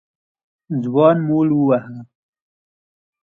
ځوان مول وواهه.